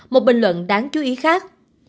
một bình luận đáng chú ý khác